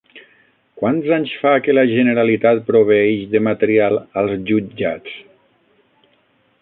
Quants anys fa que la Generalitat proveeix de material als Jutjats?